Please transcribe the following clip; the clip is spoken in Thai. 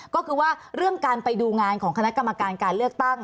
ก็คือว่าเรื่องการไปดูงานของคณะกรรมการการเลือกตั้ง